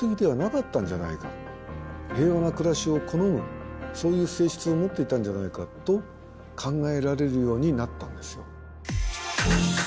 平和な暮らしを好むそういう性質を持っていたんじゃないかと考えられるようになったんですよ。